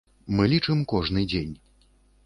Мы лічым кожны дзень.